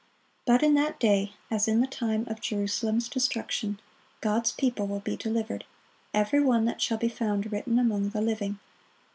But in that day, as in the time of Jerusalem's destruction, God's people will be delivered, "every one that shall be found written among the living."